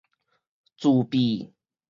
自閉